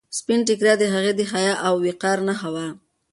سپین ټیکری د هغې د حیا او وقار نښه وه.